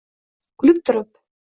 Kulib turib